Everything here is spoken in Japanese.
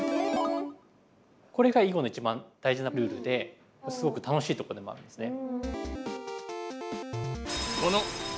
これが囲碁の一番大事なルールですごく楽しいとこでもあるんですね。